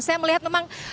saya melihat memang